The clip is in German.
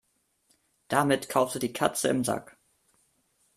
Damit kaufst du die Katze im Sack.